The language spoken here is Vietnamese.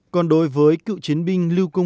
còn đối với cựu chiến binh lưu quang